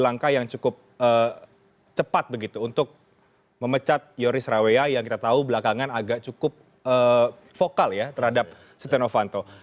langkah yang cukup cepat begitu untuk memecat yoris rawea yang kita tahu belakangan agak cukup vokal ya terhadap setia novanto